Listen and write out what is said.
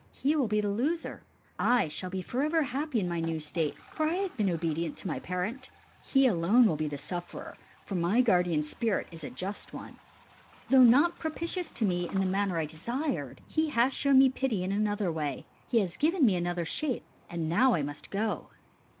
He will be the loser. I shall be forever happy in my new state, for I have been obedient to my parent. He alone will be the sufferer, for my guardian spirit is a just one. Though not propitious to me in the manner I desired, he has shown me pity in another way he has given me another shape; and now I must go."